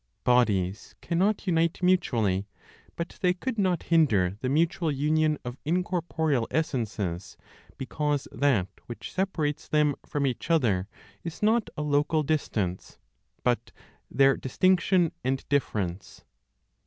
Bodies cannot unite mutually; but they could not hinder the mutual union of incorporeal (essences) because that which separates them from each other is not a local distance, but their distinction and difference.